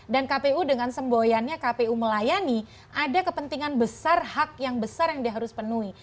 dan kpu dengan semboyannya kpu melayani ada kepentingan besar hak yang besar yang diharus penuhi